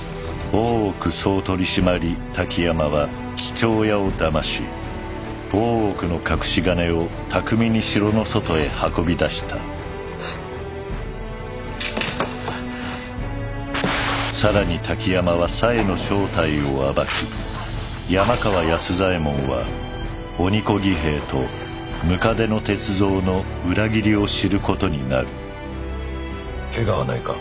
大奥総取締滝山は桔梗屋をだまし大奥の隠し金を巧みに城の外へ運び出した更に滝山は紗江の正体を暴き山川安左衛門は鬼子儀兵衛と百足の鉄三の裏切りを知ることになるけがはないか？